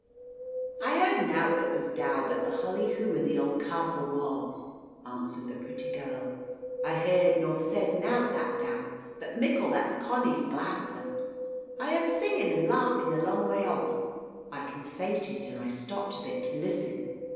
"I heard nowt that was dow, but the hullyhoo in the auld castle wa's," answered the pretty girl. "I heard nor sid nowt that's dow, but mickle that's conny and gladsome. I heard singin' and laughin' a long way off, I consaited; and I stopped a bit to listen.